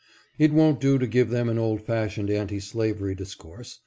It won't do to give them an old fashioned anti slavery discourse.